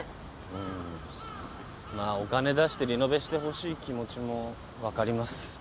うんまあお金出してリノベしてほしい気持ちもわかります。